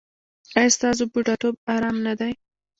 ایا ستاسو بوډاتوب ارام نه دی؟